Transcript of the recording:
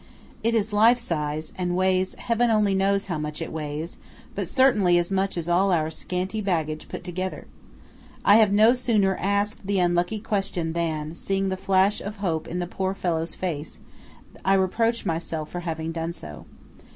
It is life size, and weighs–heaven only knows how much it weighs, but certainly as much as all our scanty baggage put together! I have no sooner asked the unlucky question than, seeing the flash of hope in the poor fellow's face, I reproach myself for having done so.